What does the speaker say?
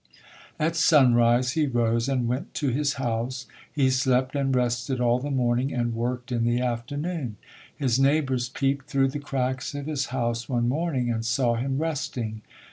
At sunrise he rose and went to his house. He slept and rested all the morning and worked in the afternoon. His neighbors peeped through the cracks of his house one morning and saw him resting.